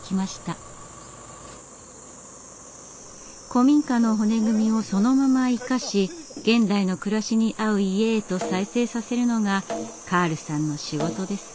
古民家の骨組みをそのまま生かし現代の暮らしに合う家へと再生させるのがカールさんの仕事です。